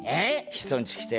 人んち来て